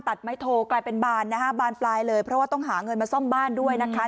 ไม้โทกลายเป็นบานนะฮะบานปลายเลยเพราะว่าต้องหาเงินมาซ่อมบ้านด้วยนะคะ